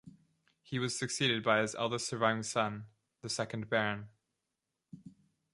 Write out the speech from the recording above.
He was succeeded by his eldest surviving son, the second Baron.